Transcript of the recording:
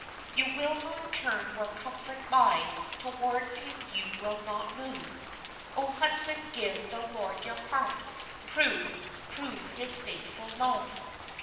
You will not turn where comfort lies, towards Him you will not move, O husband, give the Lord your heart prove, prove His faithful love."